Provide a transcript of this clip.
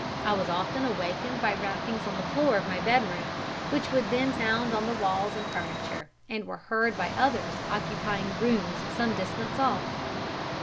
I was often awakened by rappings on the floor of my bedroom, which would then sound on the walls and furniture, and were heard by others occupying rooms some distance off."